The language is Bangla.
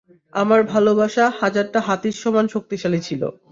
আমার ভালোবাসা হাজারটা হাতির সমান শক্তিশালী ছিল!